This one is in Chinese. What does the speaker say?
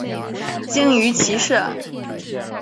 精于骑射。